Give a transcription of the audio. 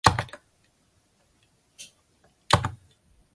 笏形蕈珊瑚为蕈珊瑚科蕈珊瑚属下的一个种。